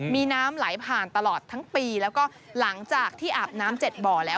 มีน้ำไหลผ่านตลอดทั้งปีแล้วก็หลังจากที่อาบน้ำ๗บ่อแล้ว